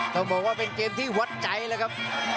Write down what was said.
ต้องบอกว่าเป็นเกมที่วัดใจเลยครับ